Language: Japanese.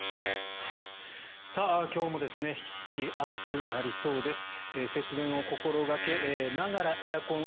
今日も引き続き暑くなりそうです。